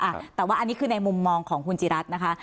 อ่ะแต่ว่าอันนี้คือในมุมมองของคุณจิรัตน์นะคะ